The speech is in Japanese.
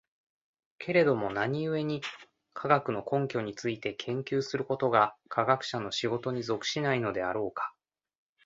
けれども何故に、科学の根拠について研究することが科学者の仕事に属しないのであろうか。